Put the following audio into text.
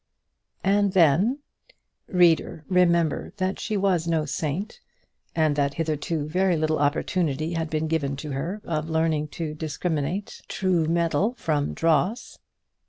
And then Reader! remember that she was no saint, and that hitherto very little opportunity had been given to her of learning to discriminate true metal from dross.